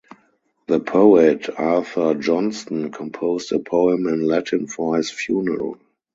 The poet Arthur Johnston composed a poem in Latin for his funeral.